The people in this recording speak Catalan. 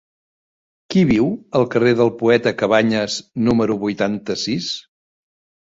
Qui viu al carrer del Poeta Cabanyes número vuitanta-sis?